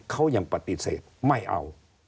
เขายังปฏิเสธไม่เอา